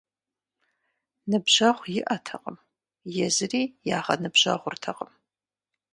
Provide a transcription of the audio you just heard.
Ныбжьэгъу иӀэтэкъым, езыри ягъэныбжьэгъуртэкъым.